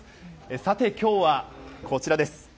さて、きょうはこちらです。